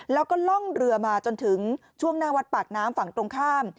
แล้วก็ล่องเรือมาจนถึงช่วงหน้าวัดปากน้ำฝั่งตรงข้าม